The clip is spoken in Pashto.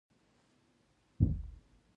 د امیر کروړ د شعر عمومي ځانګړني، څلور دي.